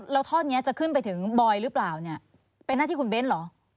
แล้วท่อนี้จะขึ้นไปถึงบอยหรือเปล่าเนี่ยเป็นหน้าที่คุณเบ้นเหรอ